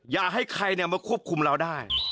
อย่าให้ใครมาควบคุมเราได้